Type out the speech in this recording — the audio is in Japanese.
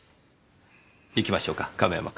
行きましょうか亀山君。